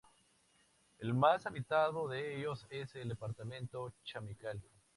El más habitado de ellos es el departamento Chamical.